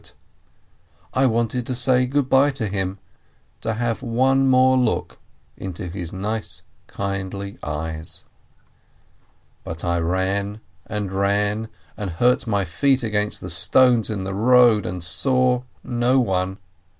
I wanted to say good by to him, to have one more look into his nice, kindly eyes. But I ran and ran, and hurt my feet against the stones in the road, and saw no one.